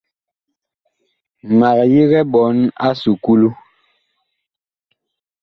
Mag yigɛ ɓɔɔn a esukulu.